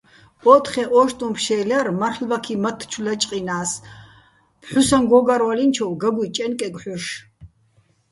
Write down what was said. ო́თხე ო́შტუჼ ფშე́ლ ჲარ, მარლ'ბაქი მათთ ჩუ ლაჭყჲინა́ს, ფჴუსაჼ გო́გარვალინჩოვ გაგუჲ ჭაჲნკეგო̆ ჰ̦ოშ.